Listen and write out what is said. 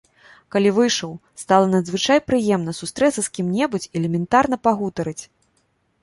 Калі выйшаў, стала надзвычай прыемна сустрэцца з кім-небудзь і элементарна пагутарыць.